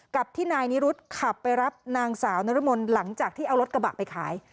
กับที่นายนิรุธขับไปรับนางสาวนรมนหลังจากที่เอารถกระบะไปขาย